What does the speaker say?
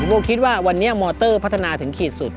โบคิดว่าวันนี้มอเตอร์พัฒนาถึงขีดสุด